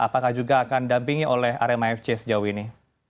apakah juga akan dampingi oleh rmafc sejauh ini